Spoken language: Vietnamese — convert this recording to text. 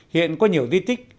hiện có nhiều di tích